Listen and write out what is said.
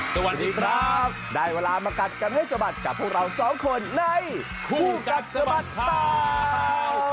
สวัสดีครับได้เวลามากัดกันให้สะบัดกับพวกเราสองคนในคู่กัดสะบัดข่าว